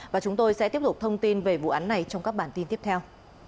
và chúng tôi sẽ tiếp tục thông tin về vụ án này trong các bản tin tiếp theo